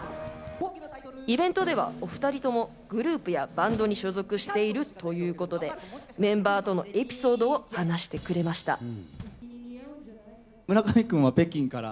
イベントではお２人ともグループやバンドに所属しているということで、メンバーとのエピソードを話してくれました。